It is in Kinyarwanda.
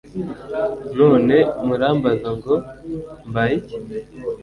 none murambaza ngo mbaye iki